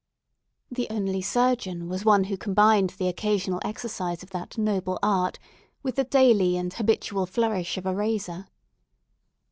The only surgeon was one who combined the occasional exercise of that noble art with the daily and habitual flourish of a razor.